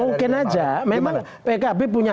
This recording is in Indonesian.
mungkin aja memang pkb punya